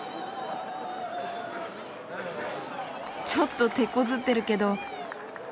ちょっとてこずってるけど。